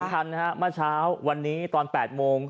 ทันฮะเมื่อเช้าวันนี้ตอน๘โมง